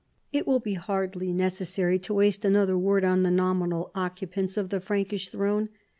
It wall be hardly necessary to waste another word on the nominal occupants of the Frankish throne.